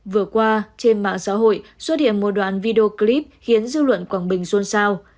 vừa qua trên mạng xã hội xuất hiện một đoạn video clip khiến dư luận quảng bình xôn xao